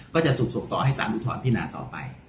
ก็จะถูกส่งต่อให้สารอุทธรณพินาต่อไป